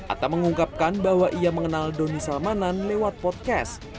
atta mengungkapkan bahwa ia mengenal doni salmanan lewat podcast